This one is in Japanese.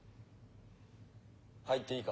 入っていいか？